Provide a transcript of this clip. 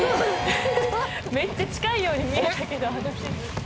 めっちゃ近いように見えたけど